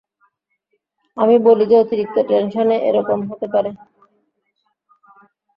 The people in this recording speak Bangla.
আমি বলি যে অতিরিক্ত টেনশনে এ-রকম হতে পারে।